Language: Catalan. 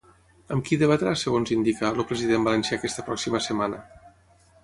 Amb qui debatrà, segons indica, el president valencià aquesta pròxima setmana?